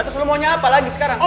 terus lo maunya apa lagi sekarang